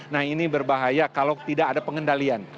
nah ini berbahaya kalau tidak ada pengendalian